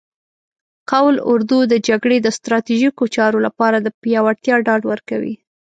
قول اردو د جګړې د ستراتیژیکو چارو لپاره د پیاوړتیا ډاډ ورکوي.